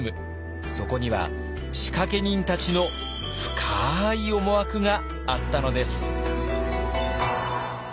そこには仕掛け人たちの深い思惑があったのです。